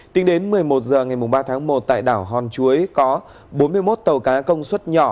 tính đến một mươi một h ngày ba tháng một tại đảo hòn chuối có bốn mươi một tàu cá công suất nhỏ